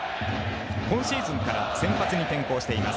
今シーズンから先発に転向しています。